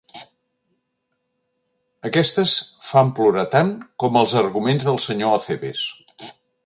Aquestes fan plorar tant com els arguments del senyor Acebes.